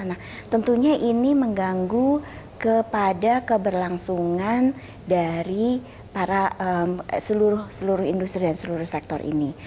nah tentunya ini mengganggu kepada keberlangsungan dari para seluruh industri dan seluruh sektor ini